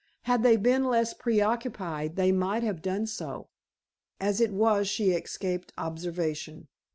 Had they been less pre occupied, they might have done so; as it was she escaped observation.